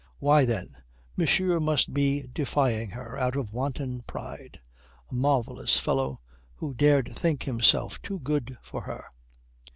Why, then, monsieur must be defying her out of wanton pride. A marvellous fellow, who dared think himself too good for her.